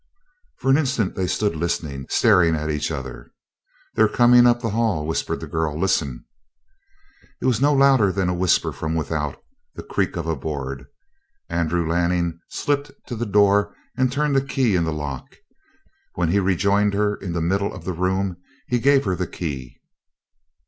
For an instant they stood listening, staring at each other. "They they're coming up the hall," whispered the girl. "Listen!" It was no louder than a whisper from without the creak of a board. Andrew Lanning slipped to the door and turned the key in the lock. When he rejoined her in the middle of the room he gave her the key.